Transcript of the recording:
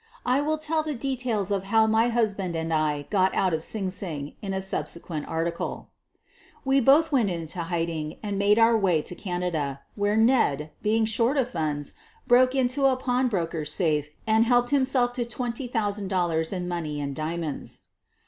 I will tell the details of how my hus band and I got out of Sing Sing in a subsequen article. We both w T ent into hiding and made our way tb Canada, where Ned, being short of funds, broke into a pawnbroker's safe and helped himself to $20,000 in money and diamonds.